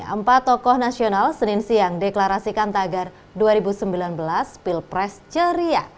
empat tokoh nasional senin siang deklarasikan tagar dua ribu sembilan belas pilpres ceria